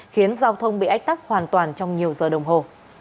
khiến giao thông bị ách tắc hoàn toàn trong nhiều giờ đồng hồ